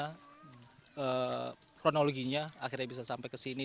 bagaimana kronologinya akhirnya bisa sampai kesini